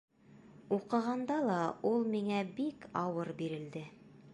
Уҡығанда ла ул миңә бик ауыр бирелде.